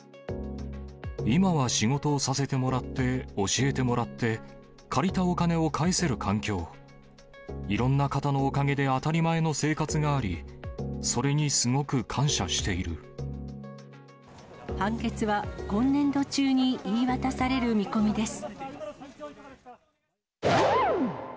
今は仕事をさせてもらって、教えてもらって、借りたお金を返せる環境、いろんな方のおかげで当たり前の生活が判決は今年度中に言い渡される見込みです。